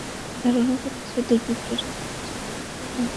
ধারণা করা হচ্ছে দুর্বৃত্তরা তাঁকে ছুরিকাঘাত করে মসজিদের অজুখানায় ফেলে যায়।